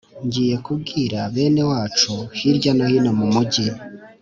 ngiye kubwira bene wacu hirya hano mu mujyi